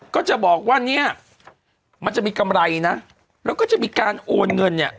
ก็จะบอกว่าเนี่ยมันจะมีกำไรนะแล้วก็จะมีการโอนเงินเนี่ย